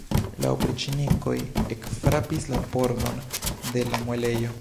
La opriĉnikoj ekfrapis la pordon de la muelejo.